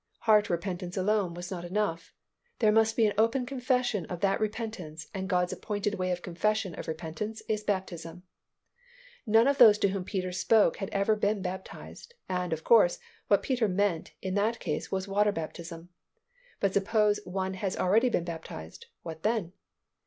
Heart repentance alone was not enough. There must be an open confession of that repentance, and God's appointed way of confession of repentance is baptism. None of those to whom Peter spoke had ever been baptized, and, of course, what Peter meant in that case was water baptism. But suppose one has already been baptized, what then?